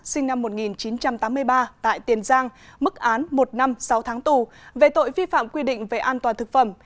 sinh năm một nghìn chín trăm tám mươi ba tại tiền giang mức án một năm sáu tháng tù về tội vi phạm quy định về an toàn thực phẩm